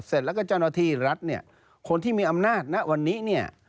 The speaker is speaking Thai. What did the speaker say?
เสร็จแล้วก็เจ้าหน้าที่รัฐเนี่ยคนที่มีอำนาจณวันนี้เนี่ย